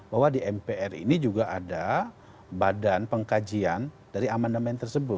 bahwa di mpr ini juga ada badan pengkajian dari amandemen tersebut